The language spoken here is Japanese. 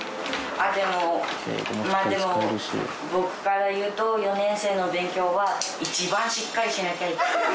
あっ、でも、僕から言うと、４年生の勉強は一番しっかりしなきゃいけない時期。